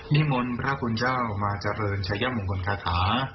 นิมนต์พระคุณเจ้ามาเจริญชายมงคลคาถา